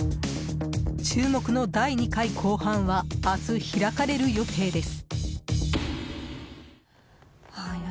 注目の第２回公判は明日開かれる予定です。